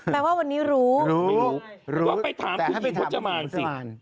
แปลว่าวันนี้รู้ไม่รู้แต่ถ้าไปถามคุณหญิงพจมานสิรู้